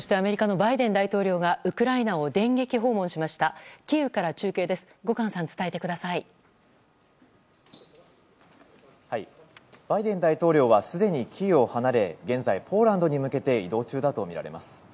バイデン大統領はすでにキーウを離れ現在、ポーランドに向けて移動中だとみられます。